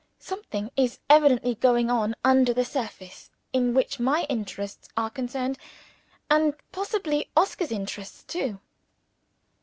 Something is evidently going on under the surface, in which my interests are concerned and, possibly, Oscar's interests too.